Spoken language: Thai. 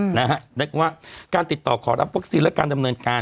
เรียกว่าการติดต่อขอรับวัคซีนและการดำเนินการ